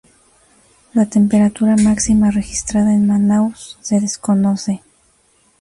La temperatura máxima registrada en Manaos se desconoce.